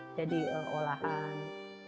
isu dan menetapkan kaki ungk multicultural zuap gelitya